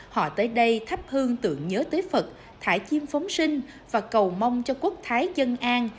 họ tới đây thắp hương tượng nhớ tới phật thả chim phóng sinh và cầu mong cho quốc thái dân an